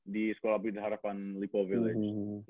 di sekolah pintar harapan lippo village